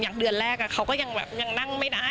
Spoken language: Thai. เดือนแรกเขาก็ยังแบบยังนั่งไม่ได้